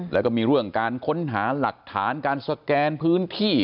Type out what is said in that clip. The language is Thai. แล้วก็มีเรื่องการค้นหาหลักฐานการสแกนพื้นที่